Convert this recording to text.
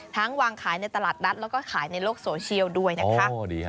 วางขายในตลาดนัดแล้วก็ขายในโลกโซเชียลด้วยนะคะ